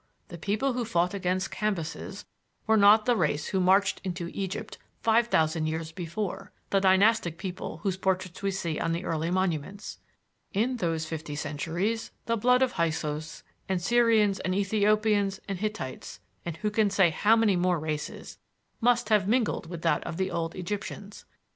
The people who fought against Cambyses were not the race who marched into Egypt five thousand years before the dynastic people whose portraits we see on the early monuments. In those fifty centuries the blood of Hyksos and Syrians and Ethiopians and Hittites, and who can say how many more races, must have mingled with that of the old Egyptians.